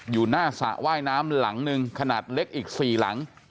อยู่หน้าสระว่ายน้ำหลังหนึ่งขนาดเล็กอีก๔หลัง